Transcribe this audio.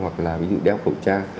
hoặc là ví dụ như đeo khẩu trang